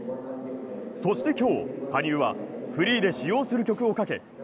そして、今日、羽生はフリーで使用する曲をかけ